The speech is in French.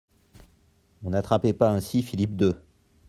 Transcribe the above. On n'attrapait pas ainsi Philippe deux.